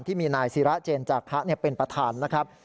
ที่มีนายศิราเจนจาคะเป็นประธานนะครับ